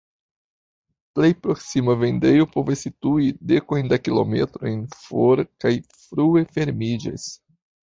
Plej proksima vendejo povas situi dekojn da kilometroj for kaj frue fermiĝas.